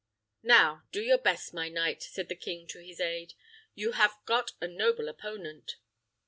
"Now do your best, my knight," said the king to his aid; "you have got a noble opponent."